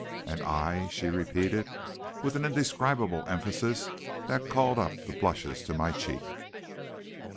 "'And I?' she repeated, with an indescribable emphasis that called up the blushes to my cheek.